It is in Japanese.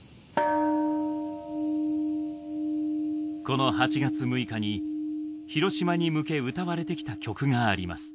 この８月６日に広島に向け歌われてきた曲があります。